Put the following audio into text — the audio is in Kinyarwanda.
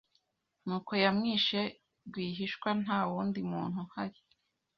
nuko yamwishe rwihishwa nta wundi muntu uhari